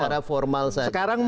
tolak secara formal saja